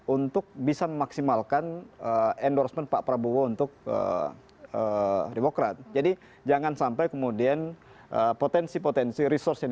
untuk bisa memaksimalkan endorsement pak prabowo untuk demokrat jadi jangan sampai kemudian potensi